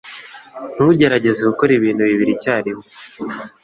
Ntugerageze gukora ibintu bibiri icyarimwe.